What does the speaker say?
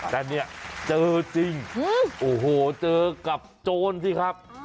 แต่เนี่ยเจอจริงโอ้โหเจอกับโจรสิครับ